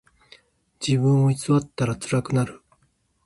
自分を偽ったらつらくなる。